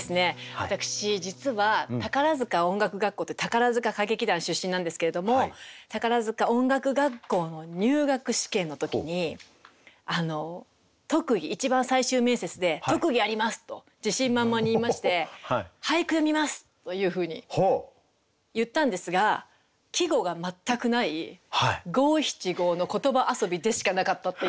私実は宝塚音楽学校って宝塚歌劇団出身なんですけれども宝塚音楽学校の入学試験の時に特技一番最終面接で「特技あります！」と自信満々に言いまして「俳句詠みます！」というふうに言ったんですが季語が全くない五七五の言葉遊びでしかなかったっていう。